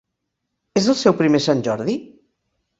És el seu primer Sant Jordi?